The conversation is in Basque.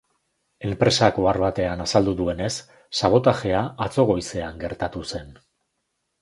Enpresak ohar batean azaldu duenez, sabotajea atzo goizean gertatu zen.